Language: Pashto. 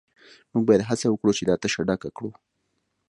موږ باید هڅه وکړو چې دا تشه ډکه کړو